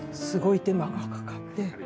すごい手間がかかって。